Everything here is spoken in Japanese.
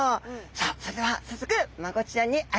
さあそれでは早速マゴチちゃんに会いに行きましょうね。